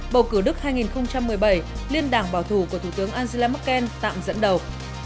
bầu cử đức hai nghìn một mươi bảy liên đảng bảo thủ của thủ tướng angela merkel tạm dẫn đầu